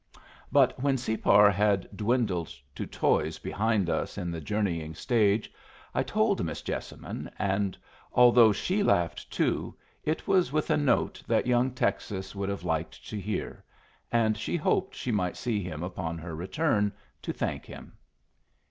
But when Separ had dwindled to toys behind us in the journeying stage I told Miss Jessamine, and although she laughed too, it was with a note that young Texas would have liked to hear; and she hoped she might see him upon her return, to thank him.